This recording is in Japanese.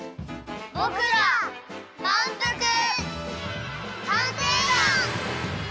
ぼくらまんぷく探偵団！